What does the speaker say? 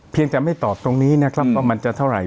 จะไม่ตอบตรงนี้นะครับว่ามันจะเท่าไหร